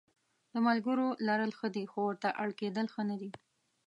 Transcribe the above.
د ملګرو لرل ښه دي خو ورته اړ کېدل ښه نه دي.